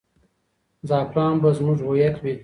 زعفران به زموږ هویت وي.